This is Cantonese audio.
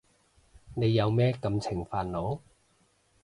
你有咩感情煩惱？